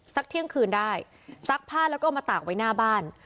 เที่ยงคืนได้ซักผ้าแล้วก็มาตากไว้หน้าบ้าน